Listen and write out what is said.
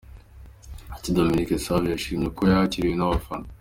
Nshuti Dominique Savio yashimye uko yakiriwe n'abafana .